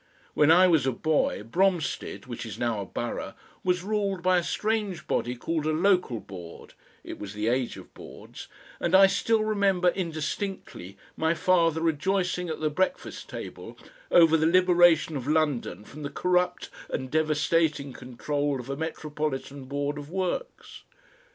When I was a boy, Bromstead, which is now a borough, was ruled by a strange body called a Local Board it was the Age of Boards and I still remember indistinctly my father rejoicing at the breakfast table over the liberation of London from the corrupt and devastating control of a Metropolitan Board of Works.